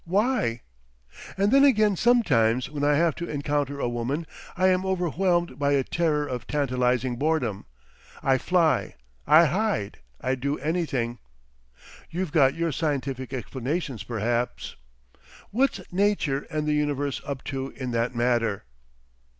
Why>?... And then again sometimes when I have to encounter a woman, I am overwhelmed by a terror of tantalising boredom—I fly, I hide, I do anything. You've got your scientific explanations perhaps; what's Nature and the universe up to in that matter?"